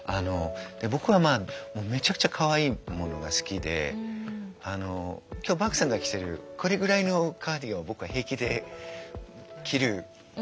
僕はまあめちゃくちゃかわいいものが好きで今日獏さんが着てるこれぐらいのカーデを僕は平気で着る自信があるというか着たい。